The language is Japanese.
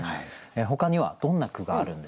ほかにはどんな句があるんでしょうか？